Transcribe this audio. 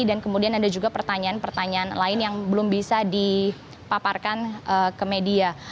dan kemudian ada juga pertanyaan pertanyaan lain yang belum bisa dipaparkan ke media